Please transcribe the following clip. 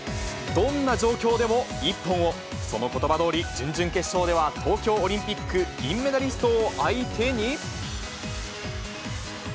どんな状況でも一本を、そのことばどおり、準々決勝では、東京オリンピック銀メダリストを相手に。